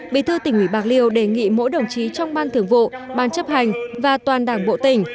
bí thư tỉnh ủy bạc liêu đề nghị mỗi đồng chí trong ban thưởng vụ ban chấp hành và toàn đảng bộ tỉnh